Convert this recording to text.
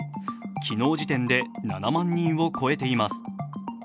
昨日時点で７万人を超えています。